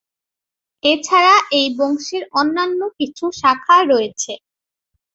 এছাড়া এই বংশের অন্যান্য কিছু শাখা রয়েছে।